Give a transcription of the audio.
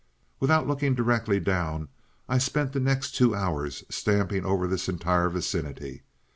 "Without looking directly down, I spent the next two hours stamping over this entire vicinity.